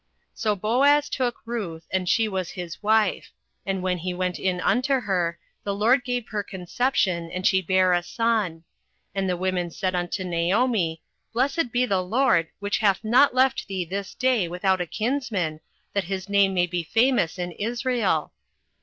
08:004:013 So Boaz took Ruth, and she was his wife: and when he went in unto her, the LORD gave her conception, and she bare a son. 08:004:014 And the women said unto Naomi, Blessed be the LORD, which hath not left thee this day without a kinsman, that his name may be famous in Israel.